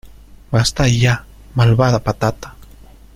¡ Basta ya, malvada patata!